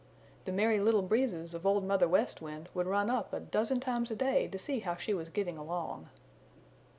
The Merry Little Breezes of Old Mother West Wind would run up a dozen times a day to see how she was getting along.